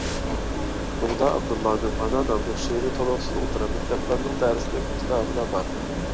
بۇغدا ئابدۇللانىڭ «ئانا» ناملىق شېئىرى تولۇقسىز ئوتتۇرا مەكتەپلەرنىڭ دەرسلىك كىتابىدا بار.